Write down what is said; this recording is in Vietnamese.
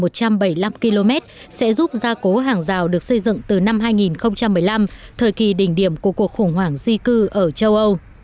lớp rào mới được xây dựng dọc theo biên giới dài một trăm bảy mươi năm km sẽ giúp gia cố hàng rào được xây dựng từ năm hai nghìn một mươi năm thời kỳ đỉnh điểm của cuộc khủng hoảng di cư ở châu âu